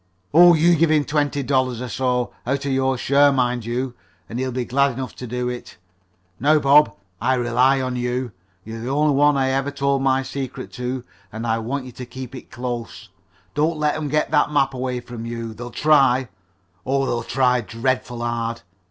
"Oh, you give him twenty five dollars or so out of your share, mind you and he'll be glad enough to do it. Now, Bob, I rely on you. You're the only one I ever told my secret to, and I want you to keep it close. Don't let 'em get that map away from you. They'll try oh, they'll try dreadful hard.